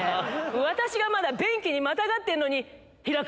私がまだ便器にまたがってんのに「開く」